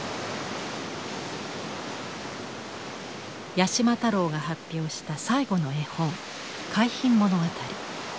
八島太郎が発表した最後の絵本「海浜物語」。